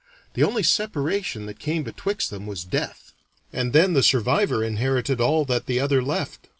The only separation that came betwixt them was death, and then the survivor inherited all that the other left.